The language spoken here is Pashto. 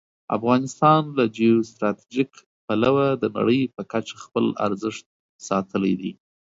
افغانستان له جیو سټراټژيک پلوه د نړۍ په کچه خپل ارزښت ساتلی دی.